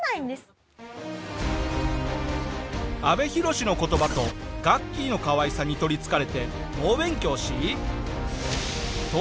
阿部寛の言葉とガッキーのかわいさに取りつかれて猛勉強し。